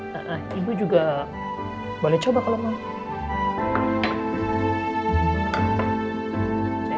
nah ibu juga boleh coba kalau mau